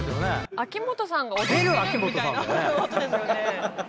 秋元さんが踊ってるみたいなことですよね。